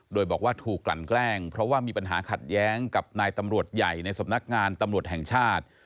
โดยบอกว่าถูกกลั่นแกล้งเพราะว่ามีปัญหาขัดแย้งกับนายตำรวจใหญ่ในสำนักงานตำรวจแห่งชาติ